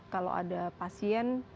kalau ada pasien